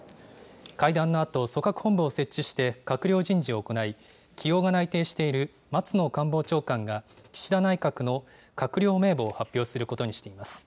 会談のあと、組閣本部を設置して、閣僚人事を行い、起用が内定している松野官房長官が、岸田内閣の閣僚名簿を発表することにしています。